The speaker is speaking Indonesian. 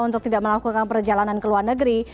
untuk tidak melakukan perjalanan ke luar negeri